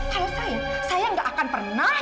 kalau saya saya gak akan pernah